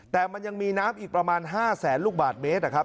แต่มันยังมีน้ำอีกประมาณ๕แสนลูกบาทเมตรนะครับ